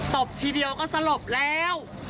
บทีเดียวก็สลบแล้ว